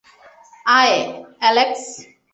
আয়, অ্যালেক্স!